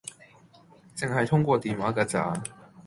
淨係通過電話架咋